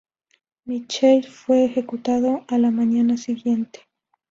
Mitchell fue ejecutado a la mañana siguiente.